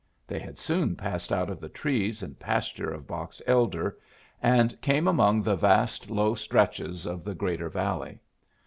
They had soon passed out of the trees and pastures of Box Elder and came among the vast low stretches of the greater valley.